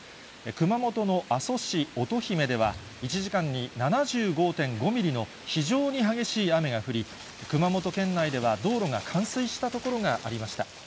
熊本の阿蘇市乙姫では、１時間に７５．５ミリの非常に激しい雨が降り、熊本県内では、道路が冠水した所がありました。